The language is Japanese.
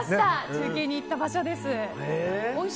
中継で行った場所です。